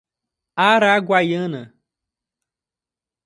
Araguaiana